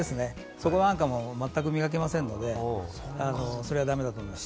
そこなんかも全く磨けませんので、それはだめだと思います。